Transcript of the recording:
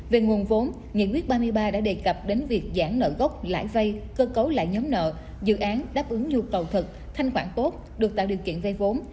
về nguồn vốn nghị quyết ba mươi ba đã đề cập đến việc giãn nợ gốc lãi vay cơ cấu lại nhóm nợ dự án đáp ứng nhu cầu thật thanh khoản tốt được tạo điều kiện vay vốn